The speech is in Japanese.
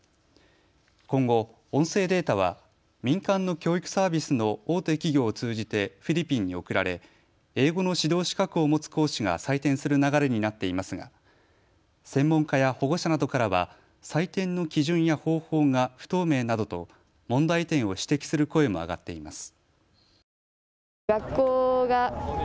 今後、音声データは民間の教育サービスの大手企業を通じてフィリピンに送られ英語の指導資格を持つ講師が採点する流れになっていますが専門家や保護者などからは採点の基準や方法が不透明などと問題点を指摘する声も上がっています。